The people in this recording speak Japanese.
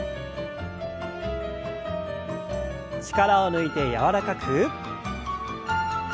力を抜いて柔らかく。